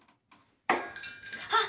あっ！